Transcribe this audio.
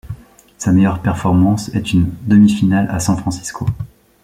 Sa meilleure performance est une demi-finale à San Francisco.